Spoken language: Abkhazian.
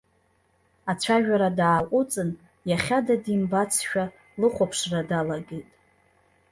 Ацәажәара дааҟәыҵын, иахьада димбацшәа лыхәаԥшра далагеит.